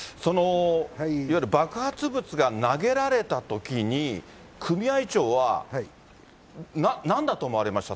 いわゆる爆発物が投げられたときに、組合長はなんだと思われました？